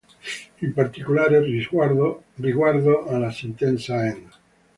In particolare, riguardo alla sentenza n.